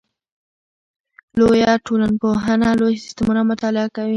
لویه ټولنپوهنه لوی سیستمونه مطالعه کوي.